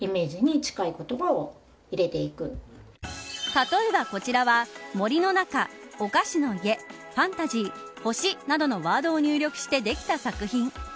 例えば、こちらは森の中、お菓子の家ファンタジー、星などのワードを入力してできた作品。